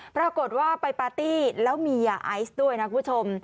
ปรากฏว่าไปปาร์ตี้แล้วมียาไอซ์ด้วยนะคุณผู้ชม